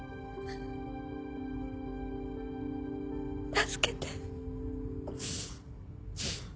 助けて。